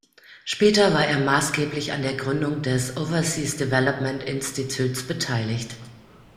Später war er maßgeblich an der Gründung des Overseas Development Institute beteiligt.